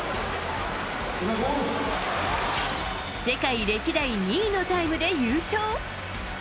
世界歴代２位のタイムで優勝。